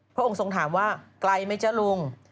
พระองค์ทรงถามว่าไกลไหมจ๊ะลุง